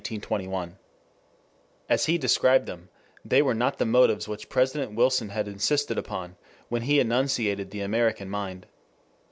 ] As he described them, they were not the motives which President Wilson had insisted upon when he enunciated the American mind.